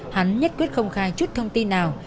hắn nhất quyết không khai chút thông tin nào